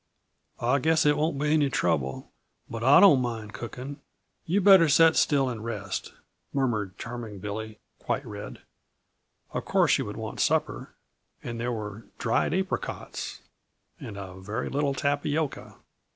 "I guess it won't be any trouble but I don't mind cooking. You you better set still and rest," murmured Charming Billy, quite red. Of course, she would want supper and there were dried apricots, and a very little tapioca!